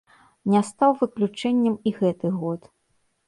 Не стаў выключэннем і гэты год.